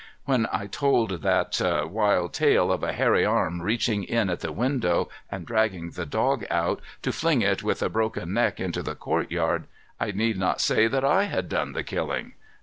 When I told that wild tale of a hairy arm reaching in at the window and dragging the dog out, to fling it with a broken neck into the courtyard, I need not say that I had done the killing.